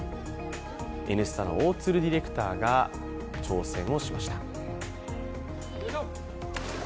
「Ｎスタ」の大鶴ディレクターが挑戦をしました。